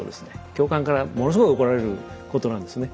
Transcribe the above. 教官からものすごい怒られることなんですね。